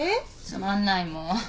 つまんないもう。